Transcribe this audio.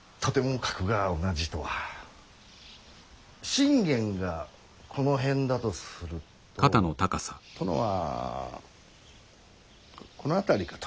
信玄がこの辺だとすると殿はこの辺りかと。